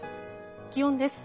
気温です。